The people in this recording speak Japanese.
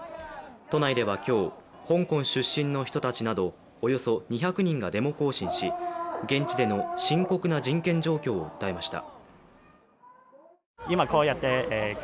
都内では今日、香港出身の人たちなど、およそ２００人がデモ行進し、現地での深刻な人権状況を訴えました。